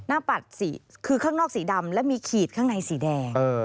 ปัดสีคือข้างนอกสีดำและมีขีดข้างในสีแดง